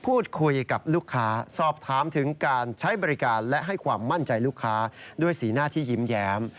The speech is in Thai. พูดคุยกับลูกค้าสอบถามถึงการใช้บริการและให้ความมั่นใจลูกค้าด้วยสีหน้าที่ยิ้มแย้ม